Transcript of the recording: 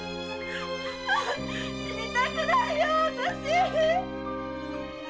死にたくないよあたし！